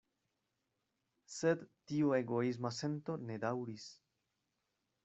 Sed tiu egoisma sento ne daŭris.